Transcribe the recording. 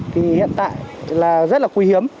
thì hiện tại là rất là quý hiếm